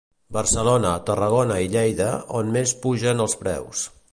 Barcelona, Tarragona i Lleida, on més pugen els preus.